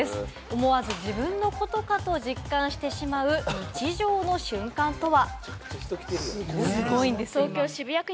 思わず自分のことか？と実感してしまう日常の瞬間とは？